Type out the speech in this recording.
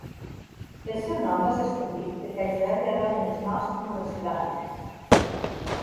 El seu nom va ser escollit perquè a Joel li agraden els noms monosil·làbics.